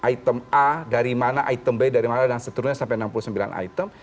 item a dari mana item b dari mana dan seterusnya sampai enam puluh sembilan item